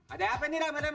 ada apa ini rem